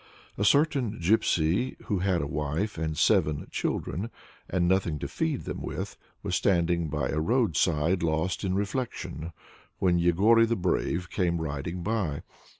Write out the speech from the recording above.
A certain Gypsy who had a wife and seven children, and nothing to feed them with, was standing by a roadside lost in reflection, when Yegory the Brave came riding by.